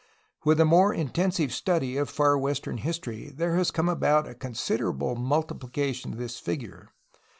With the more intensive study of far western history there has come about a considerable multipHcation of this figure.